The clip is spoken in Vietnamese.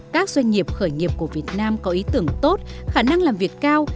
các doanh nghiệp khởi nghiệp của việt nam có ý tưởng tốt khả năng làm việc cao